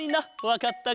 わかった！